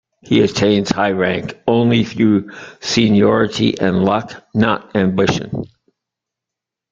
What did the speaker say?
He attains high rank only through seniority and luck, not ambition.